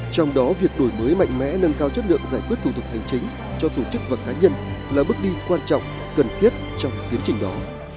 trong đó việc đổi mới mạnh mẽ nâng cao chất lượng giải quyết thủ tục hành chính cho tổ chức và cá nhân là bước đi quan trọng cần thiết trong tiến trình đó